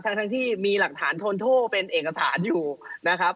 ทั้งที่มีหลักฐานโทนโทษเป็นเอกสารอยู่นะครับ